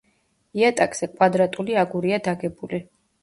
იატაკზე კვადრატული აგურია დაგებული.